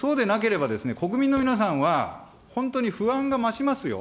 それでなければ国民の皆さんは、本当に不安が増しますよ。